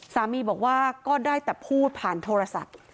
สามีบอกว่าก็ได้แต่พูดผ่านโทรศัพท์